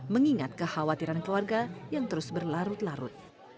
mengingat kekhawatiran keluarga yang terus berlarut larut